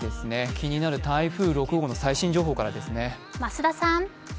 気になる台風６号の最新情報からですね。